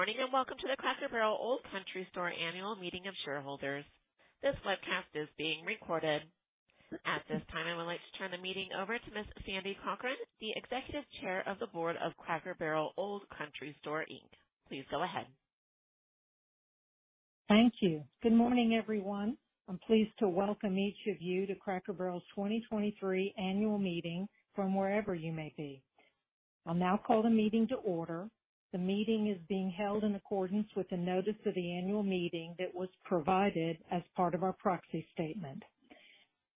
Good morning, and welcome to the Cracker Barrel Old Country Store Annual Meeting of Shareholders. This webcast is being recorded. At this time, I would like to turn the meeting over to Ms. Sandy Cochran, the Executive Chair of the Board of Cracker Barrel Old Country Store, Inc. Please go ahead. Thank you. Good morning, everyone. I'm pleased to welcome each of you to Cracker Barrel's 2023 annual meeting from wherever you may be. I'll now call the meeting to order. The meeting is being held in accordance with the notice of the annual meeting that was provided as part of our Proxy Statement.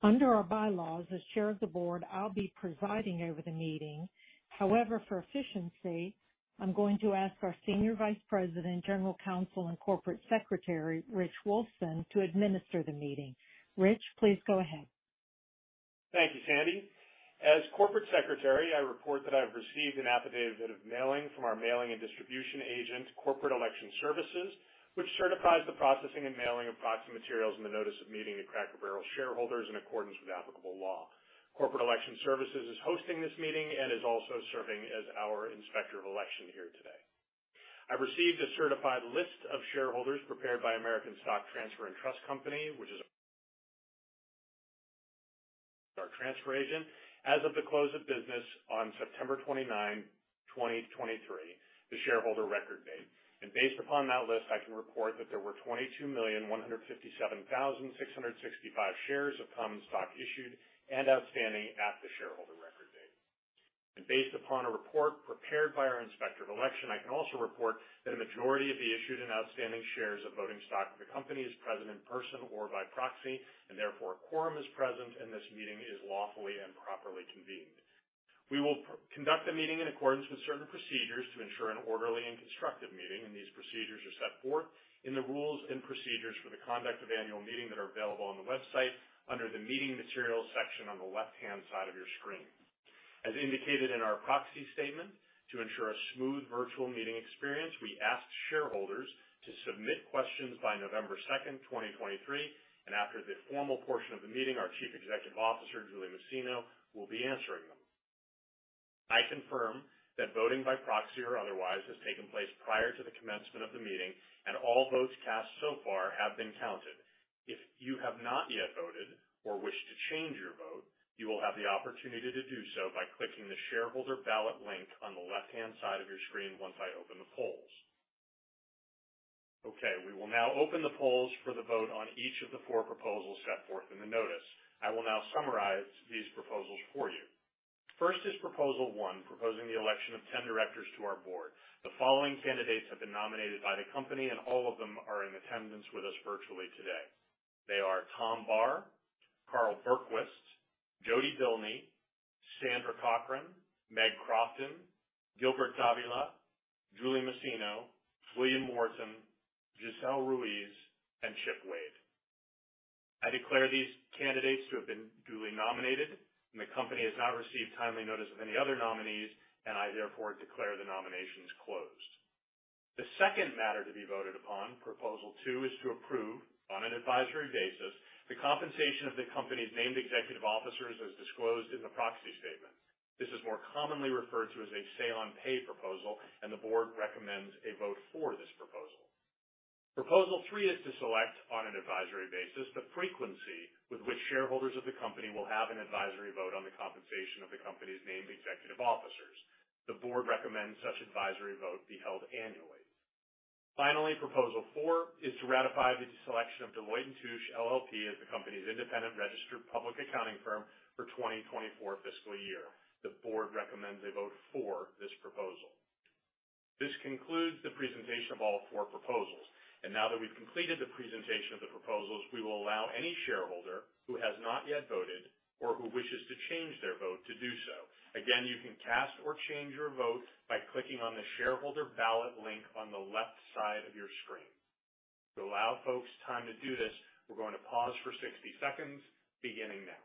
Under our Bylaws, as Chair of the Board, I'll be presiding over the meeting. However, for efficiency, I'm going to ask our Senior Vice President, General Counsel, and Corporate Secretary, Rich Wolfson, to administer the meeting. Rich, please go ahead. Thank you, Sandy. As Corporate Secretary, I report that I've received an affidavit of mailing from our mailing and distribution agent, Corporate Election Services, which certifies the processing and mailing of proxy materials and the notice of meeting to Cracker Barrel shareholders in accordance with applicable law. Corporate Election Services is hosting this meeting and is also serving as our Inspector of Election here today. I received a certified list of shareholders prepared by American Stock Transfer and Trust Company, which is our transfer agent as of the close of business on September 29, 2023, the shareholder record date. Based upon that list, I can report that there were 22,157,665 shares of common stock issued and outstanding at the shareholder record date. Based upon a report prepared by our Inspector of Election, I can also report that a majority of the issued and outstanding shares of voting stock of the company is present in person or by proxy, and therefore a quorum is present, and this meeting is lawfully and properly convened. We will conduct the meeting in accordance with certain procedures to ensure an orderly and constructive meeting, and these procedures are set forth in the rules and procedures for the conduct of annual meeting that are available on the website under the Meeting Materials section on the left-hand side of your screen. As indicated in our proxy statement, to ensure a smooth virtual meeting experience, we asked shareholders to submit questions by November 2nd, 2023, and after the formal portion of the meeting, our Chief Executive Officer, Julie Masino, will be answering them. I confirm that voting by proxy or otherwise has taken place prior to the commencement of the meeting, and all votes cast so far have been counted. If you have not yet voted or wish to change your vote, you will have the opportunity to do so by clicking the shareholder ballot link on the left-hand side of your screen once I open the polls. Okay, we will now open the polls for the vote on each of the four proposals set forth in the notice. I will now summarize these proposals for you. First is Proposal One, proposing the election of 10 directors to our board. The following candidates have been nominated by the company, and all of them are in attendance with us virtually today. They are Tom Barr, Carl Berquist, Jody Bilney, Sandra Cochran, Meg Crofton, Gilbert Dávila, Julie Masino, William Moreton, Gisel Ruiz, and Chip Wade. I declare these candidates to have been duly nominated, and the company has not received timely notice of any other nominees, and I therefore declare the nominations closed. The second matter to be voted upon, Proposal Two, is to approve, on an advisory basis, the compensation of the company's named executive officers as disclosed in the Proxy Statement. This is more commonly referred to as a Say-on-Pay proposal, and the board recommends a vote for this proposal. Proposal Three is to select, on an advisory basis, the frequency with which shareholders of the company will have an advisory vote on the compensation of the company's named executive officers. The board recommends such advisory vote be held annually. Finally, Proposal Four is to ratify the selection of Deloitte & Touche LLP as the company's independent registered public accounting firm for 2024 fiscal year. The board recommends a vote for this proposal. This concludes the presentation of all four proposals, and now that we've completed the presentation of the proposals, we will allow any shareholder who has not yet voted or who wishes to change their vote, to do so. Again, you can cast or change your vote by clicking on the shareholder ballot link on the left side of your screen. To allow folks time to do this, we're going to pause for 60 seconds, beginning now.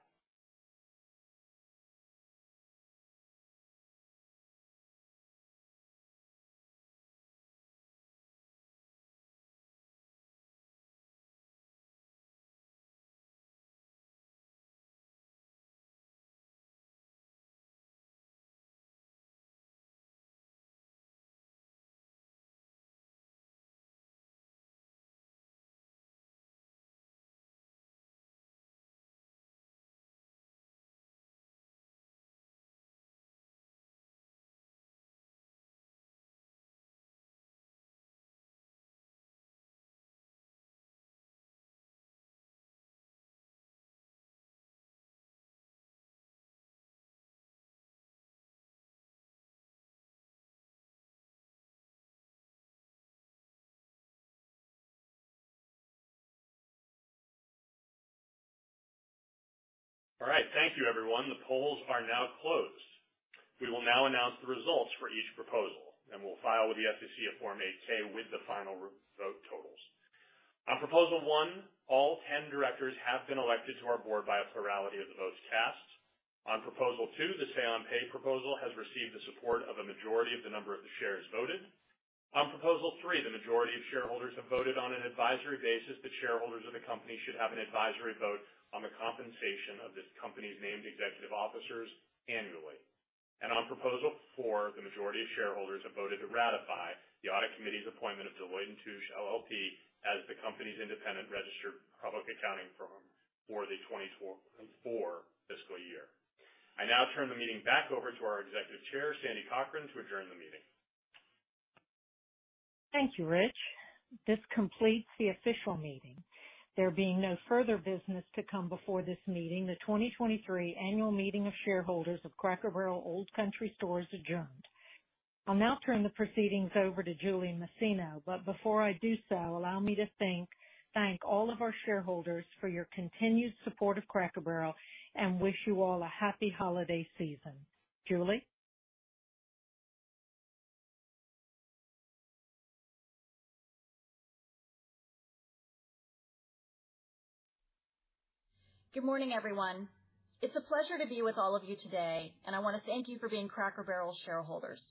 All right, thank you, everyone. The polls are now closed. We will now announce the results for each proposal, and we'll file with the SEC a Form 8-K with the final vote totals. On Proposal One, all 10 directors have been elected to our board by a plurality of the votes cast. On Proposal Two, the Say-on-Pay proposal has received the support of a majority of the number of the shares voted. On Proposal Three, the majority of shareholders have voted on an advisory basis that shareholders of the company should have an advisory vote on the compensation of this company's named executive officers annually. On Proposal Four, the majority of shareholders have voted to ratify the audit committee's appointment of Deloitte & Touche LLP as the company's independent registered public accounting firm for the 2024 fiscal year. I now turn the meeting back over to our Executive Chair, Sandy Cochran, to adjourn the meeting. Thank you, Rich. This completes the official meeting. There being no further business to come before this meeting, the 2023 annual meeting of shareholders of Cracker Barrel Old Country Store adjourned. I'll now turn the proceedings over to Julie Masino, but before I do so, allow me to thank all of our shareholders for your continued support of Cracker Barrel and wish you all a happy holiday season. Julie? Good morning, everyone. It's a pleasure to be with all of you today, and I want to thank you for being Cracker Barrel shareholders.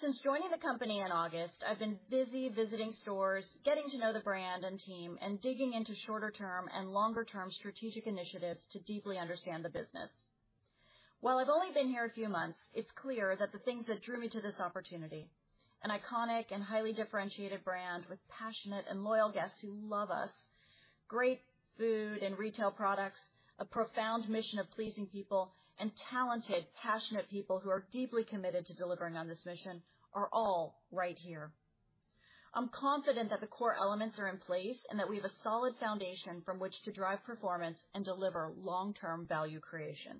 Since joining the company in August, I've been busy visiting stores, getting to know the brand and team, and digging into shorter-term and longer-term strategic initiatives to deeply understand the business. While I've only been here a few months, it's clear that the things that drew me to this opportunity, an iconic and highly differentiated brand with passionate and loyal guests who love us, great food and retail products, a profound mission of pleasing people, and talented, passionate people who are deeply committed to delivering on this mission, are all right here. I'm confident that the core elements are in place and that we have a solid foundation from which to drive performance and deliver long-term value creation.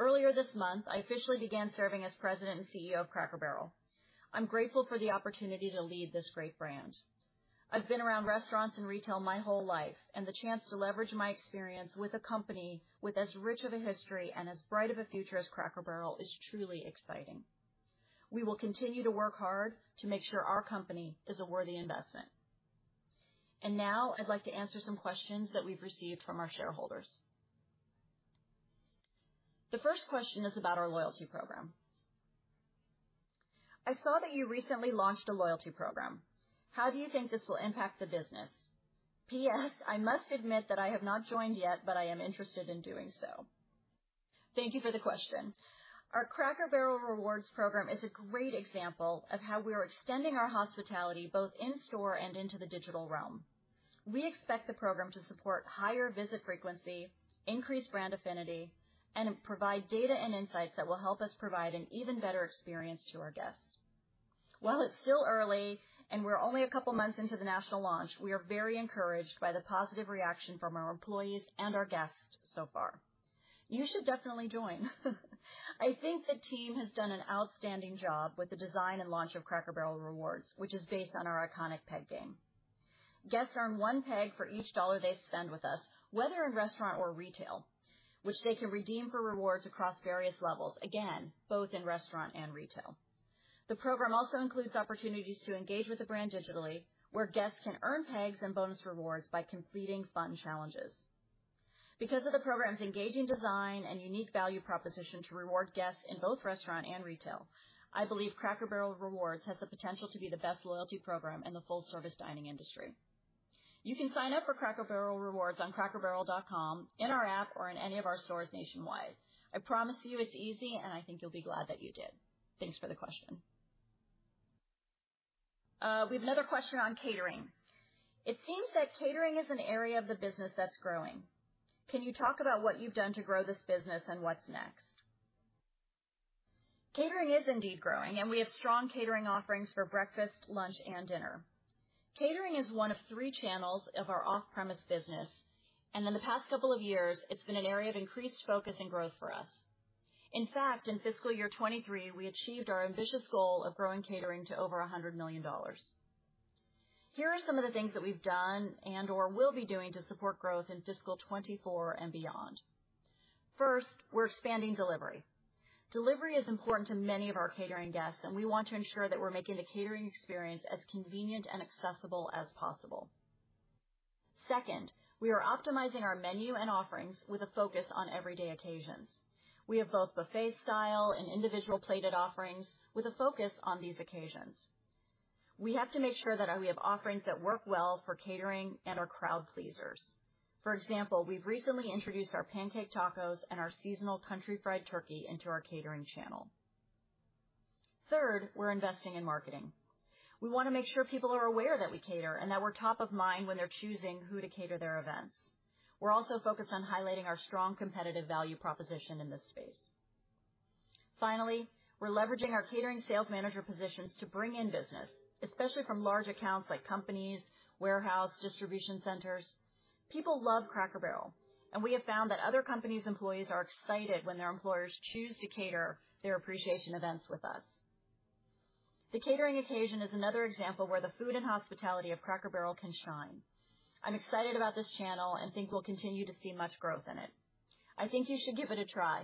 Earlier this month, I officially began serving as President and CEO of Cracker Barrel. I'm grateful for the opportunity to lead this great brand. I've been around restaurants and retail my whole life, and the chance to leverage my experience with a company with as rich of a history and as bright of a future as Cracker Barrel is truly exciting. We will continue to work hard to make sure our company is a worthy investment. And now I'd like to answer some questions that we've received from our shareholders. The first question is about our loyalty program: I saw that you recently launched a loyalty program. How do you think this will impact the business? PS, I must admit that I have not joined yet, but I am interested in doing so. Thank you for the question. Our Cracker Barrel Rewards program is a great example of how we are extending our hospitality both in store and into the digital realm. We expect the program to support higher visit frequency, increase brand affinity, and provide data and insights that will help us provide an even better experience to our guests. While it's still early and we're only a couple of months into the national launch, we are very encouraged by the positive reaction from our employees and our guests so far. You should definitely join. I think the team has done an outstanding job with the design and launch of Cracker Barrel Rewards, which is based on our iconic peg game. Guests earn one peg for each dollar they spend with us, whether in restaurant or retail, which they can redeem for rewards across various levels, again, both in restaurant and retail. The program also includes opportunities to engage with the brand digitally, where guests can earn pegs and bonus rewards by completing fun challenges. Because of the program's engaging design and unique value proposition to reward guests in both restaurant and retail, I believe Cracker Barrel Rewards has the potential to be the best loyalty program in the full-service dining industry. You can sign up for Cracker Barrel Rewards on crackerbarrel.com, in our app, or in any of our stores nationwide. I promise you it's easy, and I think you'll be glad that you did. Thanks for the question. We have another question on catering: It seems that catering is an area of the business that's growing. Can you talk about what you've done to grow this business and what's next? Catering is indeed growing, and we have strong catering offerings for breakfast, lunch, and dinner. Catering is one of three channels of our off-premise business, and in the past couple of years, it's been an area of increased focus and growth for us. In fact, in fiscal year 2023, we achieved our ambitious goal of growing catering to over $100 million. Here are some of the things that we've done and/or will be doing to support growth in fiscal 2024 and beyond. First, we're expanding delivery. Delivery is important to many of our catering guests, and we want to ensure that we're making the catering experience as convenient and accessible as possible. Second, we are optimizing our menu and offerings with a focus on everyday occasions. We have both buffet style and individual plated offerings with a focus on these occasions. We have to make sure that we have offerings that work well for catering and are crowd pleasers. For example, we've recently introduced our pancake tacos and our seasonal country fried turkey into our catering channel. Third, we're investing in marketing. We want to make sure people are aware that we cater and that we're top of mind when they're choosing who to cater their events. We're also focused on highlighting our strong competitive value proposition in this space. Finally, we're leveraging our catering sales manager positions to bring in business, especially from large accounts like companies, warehouse, distribution centers. People love Cracker Barrel, and we have found that other companies' employees are excited when their employers choose to cater their appreciation events with us. The catering occasion is another example where the food and hospitality of Cracker Barrel can shine. I'm excited about this channel and think we'll continue to see much growth in it. I think you should give it a try.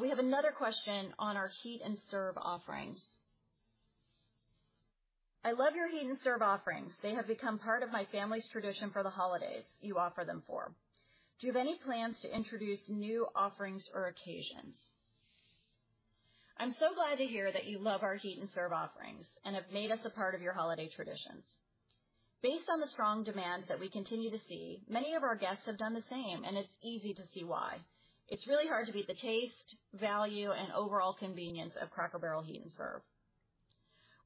We have another question on our Heat and Serve offerings: I love your Heat and Serve offerings. They have become part of my family's tradition for the holidays you offer them for. Do you have any plans to introduce new offerings or occasions? I'm so glad to hear that you love our Heat and Serve offerings and have made us a part of your holiday traditions. Based on the strong demand that we continue to see, many of our guests have done the same, and it's easy to see why. It's really hard to beat the taste, value, and overall convenience of Cracker Barrel Heat and Serve.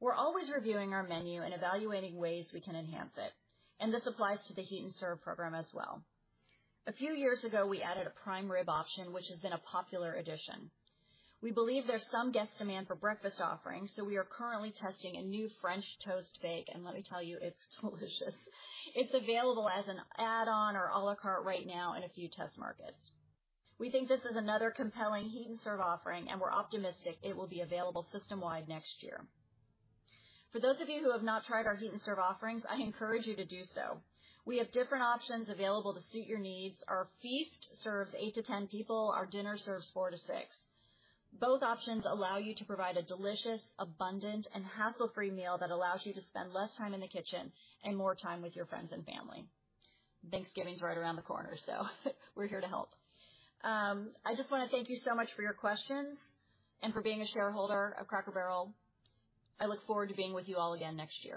We're always reviewing our menu and evaluating ways we can enhance it, and this applies to the Heat and Serve program as well. A few years ago, we added a prime rib option, which has been a popular addition. We believe there's some guest demand for breakfast offerings, so we are currently testing a new French toast bake, and let me tell you, it's delicious. It's available as an add-on or à la carte right now in a few test markets. We think this is another compelling Heat and Serve offering, and we're optimistic it will be available system-wide next year. For those of you who have not tried our Heat and Serve offerings, I encourage you to do so. We have different options available to suit your needs. Our feast serves eight to 10 people, our dinner serves four to six. Both options allow you to provide a delicious, abundant, and hassle-free meal that allows you to spend less time in the kitchen and more time with your friends and family. Thanksgiving is right around the corner, so we're here to help. I just wanna thank you so much for your questions and for being a shareholder of Cracker Barrel. I look forward to being with you all again next year.